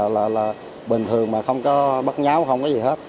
là bình thường mà không có bắt nháo không có gì hết